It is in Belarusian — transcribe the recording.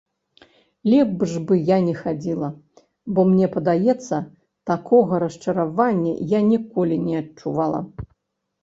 Лепш бы я не хадзіла, бо мне падаецца, такога расчаравання я ніколі не адчувала.